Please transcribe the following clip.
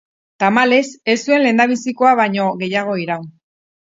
Tamalez, ez zuen lehendabizikoa baino gehiago iraun.